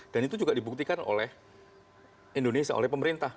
dan itu juga dibuktikan oleh indonesia oleh pemerintah